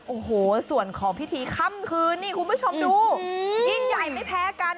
โอ้โหส่วนของพิธีค่ำคืนนี่คุณผู้ชมดูยิ่งใหญ่ไม่แพ้กัน